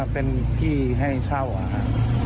เป็นที่ให้เช่าค่ะ